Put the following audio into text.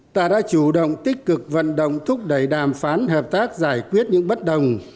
ta đã chủ động tích cực vận động thúc đẩy đàm phán hợp tác giải quyết những bất đồng